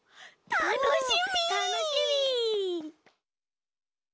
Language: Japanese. たのしみ！